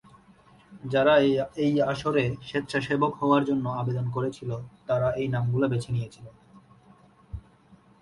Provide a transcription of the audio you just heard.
যারা এই আসরে স্বেচ্ছাসেবক হওয়ার জন্য আবেদন করেছিল তারা এই নামগুলো বেছে নিয়েছিল।